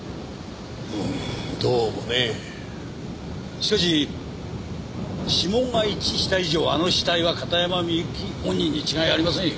しかし指紋が一致した以上あの死体は片山みゆき本人に違いありませんよ。